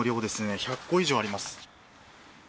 １００個以上あります。